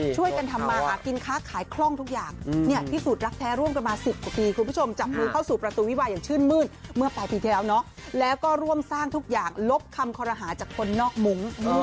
ช่วยกันทำมาหากินค้าขายคล่องทุกอย่างเนี่ยพิสูจนรักแท้ร่วมกันมา๑๐กว่าปีคุณผู้ชมจับมือเข้าสู่ประตูวิวาอย่างชื่นมืดเมื่อปลายปีที่แล้วเนาะแล้วก็ร่วมสร้างทุกอย่างลบคำคอรหาจากคนนอกมุ้ง